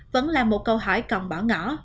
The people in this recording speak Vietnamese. vẫn là một câu hỏi còn bỏ ngỏ